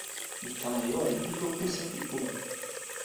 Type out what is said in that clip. mi kama jo e lipu usawi unu.